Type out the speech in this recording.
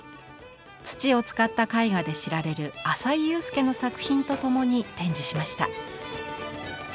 土を使った絵画で知られる淺井裕介の作品とともに展示しました。